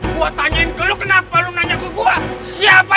buat tanyain ke lu kenapa lu nanya ke gua siapa